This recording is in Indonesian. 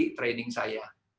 untuk pengamal saya